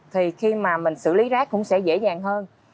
thì khi mà mình xử lý rác cũng sẽ dễ dàng hơn